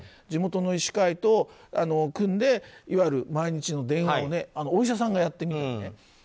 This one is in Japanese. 地元の医師会と組んでいわゆる毎日の電話をお医者さんがやってるとかね。